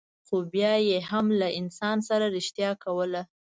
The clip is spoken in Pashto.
خو بیا یې هم له انسان سره رښتیا کوله.